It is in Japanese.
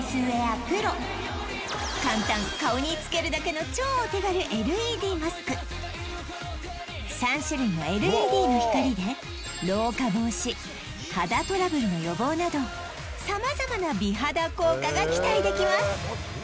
簡単顔につけるだけの超お手軽３種類のＬＥＤの光で老化防止肌トラブルの予防など様々な美肌効果が期待できます